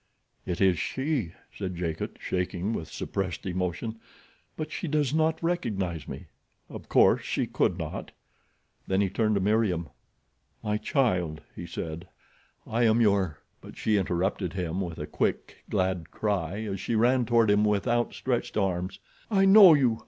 "It is she," said Jacot, shaking with suppressed emotion; "but she does not recognize me—of course she could not." Then he turned to Meriem. "My child," he said, "I am your—" But she interrupted him with a quick, glad cry, as she ran toward him with outstretched arms. "I know you!